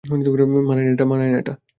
মানায় না এটা।